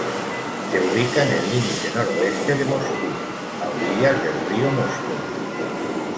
Se ubica en el límite noroeste de Moscú, a orillas del río Moscova.